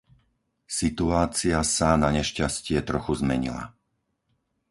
Situácia sa, nanešťastie, trochu zmenila.